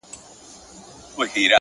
هره شېبه د سم تصمیم وخت کېدای شي،